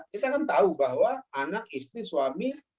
kita kan tahu bahwa anak istri suami